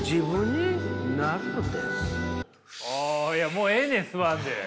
もうええねん吸わんで。